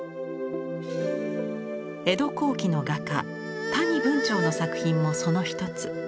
江戸後期の画家谷文晁の作品もその一つ。